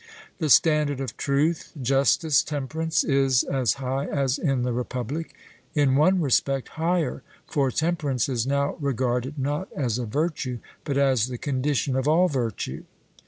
The standard of truth, justice, temperance, is as high as in the Republic; in one respect higher, for temperance is now regarded, not as a virtue, but as the condition of all virtue.